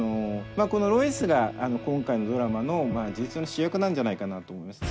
このロイスが今回のドラマの事実上の主役なんじゃないかなとも思います。